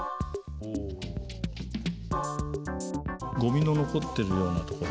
ごみの残ってるようなところ。